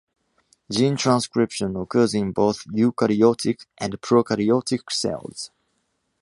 Gene transcription occurs in both eukaryotic and prokaryotic cells.